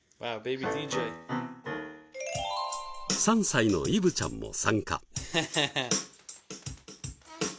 ３歳のイヴちゃんも参加。